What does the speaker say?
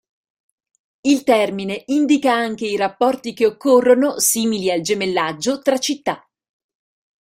Il termine indica anche i rapporti che occorrono, simili al gemellaggio, tra città.